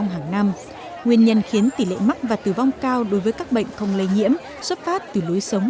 nguyên nhân khiến tỷ lệ mắc và tử vong cao đối với các bệnh không lấy nhiễm xuất phát từ lối sống